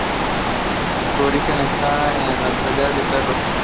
Su origen está en las peleas de perros.